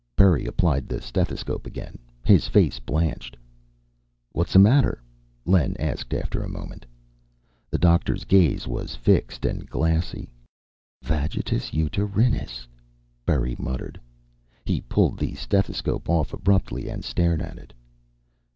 Berry applied the stethoscope again. His face blanched. "What's the matter?" Len asked after a moment. The doctor's gaze was fixed and glassy. "Vagitus uterinus," Berry muttered. He pulled the stethoscope off abruptly and stared at it.